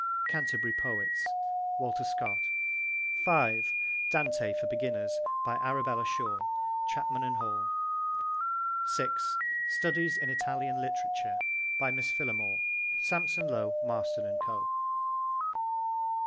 'Canterbury Poets.' (Walter Scott.) (5) Dante for Beginners. By Arabella Shore. (Chapman and Hall.) (6) Studies in Italian Literature. By Miss Phillimore. (Sampson Low, Marston and Co.)